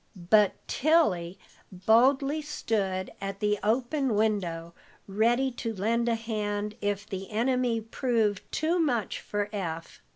But Tilly boldly stood at the open window, ready to lend a hand if the enemy proved too much for Eph.